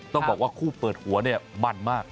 ต้องบอกว่าคู่เปิดหัวเนี่ยมันมาก